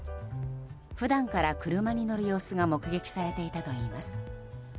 普段から車に乗る様子が目撃されていたといいます。